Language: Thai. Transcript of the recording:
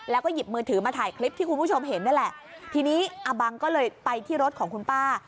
แล้วก็หยิบมือถือมาถ่ายคลิปที่คุณผู้ชมเห็นนั่นแหละทีนี้อาบังก็เลยไปที่รถของคุณป้า